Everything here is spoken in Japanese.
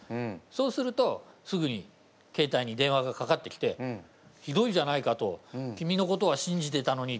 そうするとすぐに携帯に電話がかかってきて「ひどいじゃないか」と。「君のことは信じてたのに」